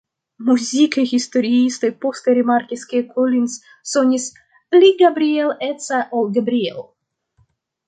Muzikaj historiistoj poste rimarkis ke Collins sonis "pli Gabriel-eca ol Gabriel".